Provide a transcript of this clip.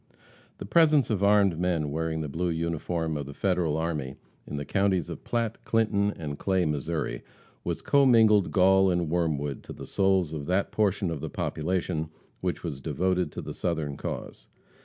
The presence of armed men wearing the blue uniform of the Federal army in the counties of Platte, Clinton and Clay, Missouri, was commingled gall and worm wood to the souls of that portion of the population which was devoted to the Southern cause.